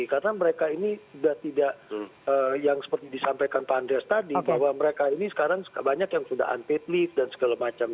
karena mereka ini sudah tidak yang seperti disampaikan pak andreas tadi bahwa mereka ini sekarang banyak yang sudah unpaid leave dan segala macam